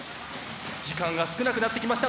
時間が少なくなってきました。